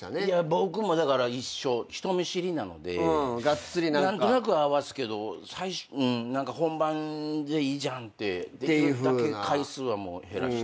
僕もだから一緒人見知りなので何となく合わすけど本番でいいじゃんって。できるだけ回数は減らして。